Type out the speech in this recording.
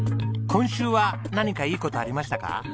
今週は何かいい事ありましたか？